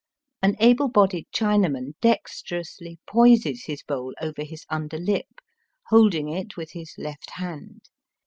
An able bodied Chinaman dexterously poises his bowl over his under lip, holding it with his left hand.